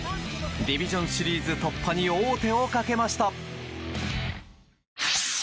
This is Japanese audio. ディビジョンシリーズ突破に王手をかけました。